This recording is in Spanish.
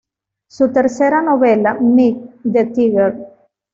Su tercera novela, "Meet -The Tiger!